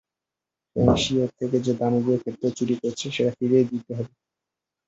ফেংশি ওর থেকে যে দানবীয় ক্ষেত্র চুরি করেছে, সেটা ফিরিয়ে দিতে হবে।